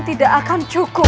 tidak akan cukup